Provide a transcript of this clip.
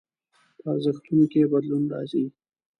په ارزښتونو کې يې بدلون راځي.